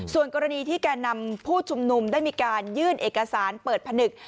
ส่วนกรณีที่แก่นำผู้ชุมนุมได้มีการยื่นเอกสารเปิดผนึก